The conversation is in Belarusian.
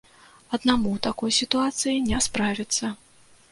Аднаму ў такой сітуацыі не справіцца.